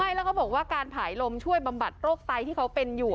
ใช่แล้วก็บอกว่าการผ่ายลมช่วยบำบัดโรคไตที่เขาเป็นอยู่